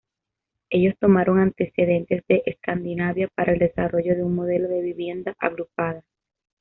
Ellos tomaron antecedentes de Escandinavia para el desarrollo de un modelo de vivienda agrupada.